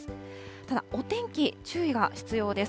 ただ、お天気、注意が必要です。